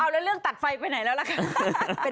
แล้วเรื่องตัดไฟไปไหนแล้วล่ะค่ะ